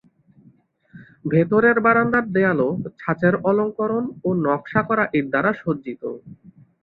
ভেতরের বারান্দার দেয়ালও ছাঁচের অলঙ্করণ ও নকশা করা ইট দ্বারা সজ্জিত।